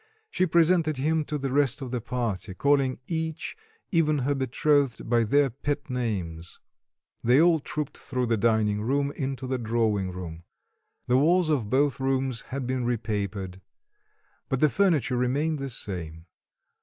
She presented him to the rest of the party, calling each, even her betrothed, by their pet names. They all trooped through the dining room into the drawing room. The walls of both rooms had been repapered; but the furniture remained the same.